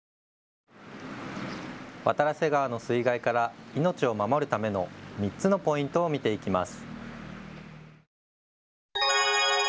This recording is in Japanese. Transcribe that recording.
渡良瀬川の水害から命を守るための３つのポイントを見ていきます。